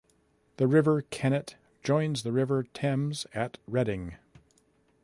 The River Kennet joins the River Thames at Reading.